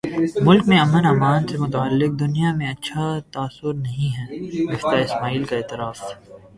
ملک میں امن امان سے متعلق دنیا میں اچھا تاثر نہیں ہے مفتاح اسماعیل کا اعتراف